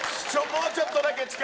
もうちょっとだけ。